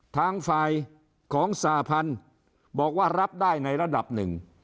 ทางฝ่ายของสหพันธุ์บอกว่ารับได้ในระดับหนึ่ง